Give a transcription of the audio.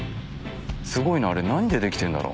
すごいねあれ何で出来てんだろ？